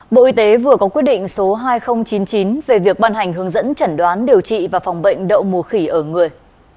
bộ y tế vừa có quyết định số hai nghìn chín mươi chín về việc ban hành hướng dẫn chẩn đoán điều trị và phòng bệnh đậu mùa khỉ ở người